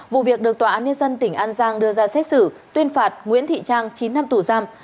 vụ việc được tòa án nhân dân tỉnh an giang đưa ra xét xử tuyên phạt nguyễn thị trang chín năm tù giam